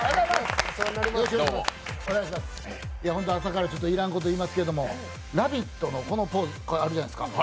朝から要らんこと言いますけど、「ラヴィット！」のこのポーズありますよね。